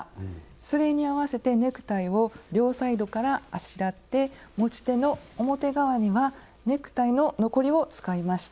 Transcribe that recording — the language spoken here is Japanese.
それに合わせてネクタイを両サイドからあしらって持ち手の表側にはネクタイの残りを使いました。